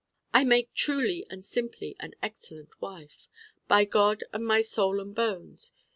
I make truly and simply an excellent wife. by God and my Soul and bones!